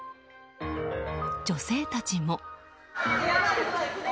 女性たちも。